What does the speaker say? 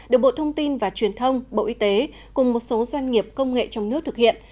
được bộ thông tin và truyền thông bộ y tế cùng một số doanh nghiệp công nghệ trong nước thực hiện